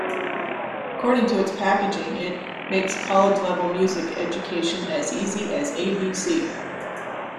According to its packaging it "Makes College-Level Music Education as Easy as A-B-C!".